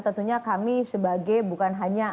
tentunya kami sebagai bukan hanya